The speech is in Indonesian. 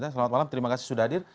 selamat malam terima kasih sudah hadir